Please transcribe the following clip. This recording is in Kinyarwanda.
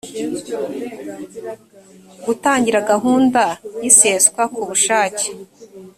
gutangira gahunda y’iseswa ku bushake